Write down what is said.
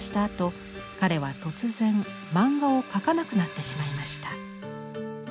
あと彼は突然漫画を描かなくなってしまいました。